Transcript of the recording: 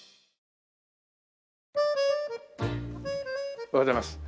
おはようございます。